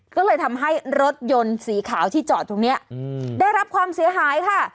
ก็เลยทำให้รถยนต์สีขาวที่จอดตรงนี้ได้รับความเสียหายค่ะ